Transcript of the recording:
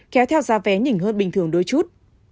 kéo theo giá vé nhỉnh hơn bình thường đôi chút